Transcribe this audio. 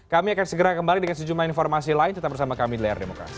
kami akan segera kembali dengan sejumlah informasi lain tetap bersama kami di layar demokrasi